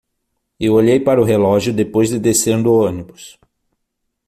Eu olhei para o relógio depois de descer do ônibus.